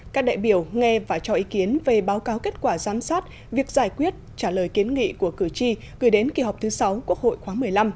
các đại biểu nghe và cho ý kiến về báo cáo kết quả giám sát việc giải quyết trả lời kiến nghị của cử tri gửi đến kỳ họp thứ sáu quốc hội khoáng một mươi năm